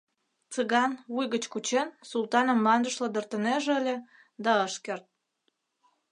Цыган, вуй гыч кучен, Султаным мландыш лыдыртынеже ыле, да ыш керт.